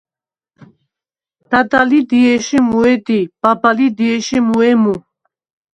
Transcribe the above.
დადა ლი დიე̄შ ი მუუ̂ე̄ დი, ბაბა ლი დიე̄შ ი მუუ̂ე̄ მუ.